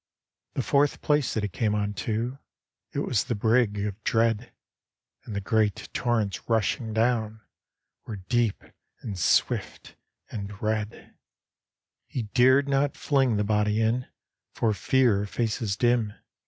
The fourth place that he came unto It was the Brig of Dread, And the great torrents rushing down Were deep and swift and red. D,gt,, erihyGOOgle The Haunted Hour He dared not fling the bod^ in For fear of faces dim.